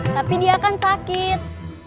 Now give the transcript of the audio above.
tapi dia kan sakit